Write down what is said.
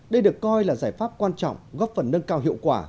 đây được coi là giải pháp quan trọng góp phần nâng cao hiệu quả